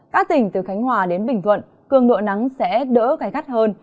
các tỉnh từ khánh hòa đến bình thuận cường độ nắng sẽ đỡ gai gắt hơn